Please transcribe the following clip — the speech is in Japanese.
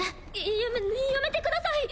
やめやめてください。